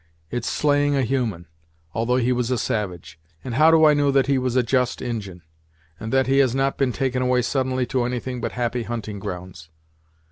It's slaying a human, although he was a savage; and how do I know that he was a just Injin; and that he has not been taken away suddenly to anything but happy hunting grounds.